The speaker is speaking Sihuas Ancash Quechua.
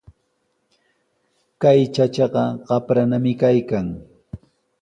Kay chachaqa qapranami kaykan.